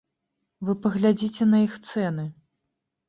Вы паглядзіце на іх цэны!